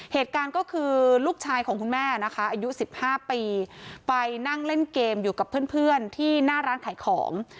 เหตุการณ์ก็คือลูกชายของคุณแม่นะคะอายุ๑๕ปีไปนั่งเล่นเกมอยู่กับเพื่อนที่หน้าร้านขายของ